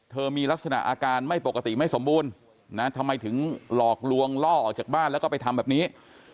มีลักษณะอาการไม่ปกติไม่สมบูรณ์นะทำไมถึงหลอกลวงล่อออกจากบ้านแล้วก็ไปทำแบบนี้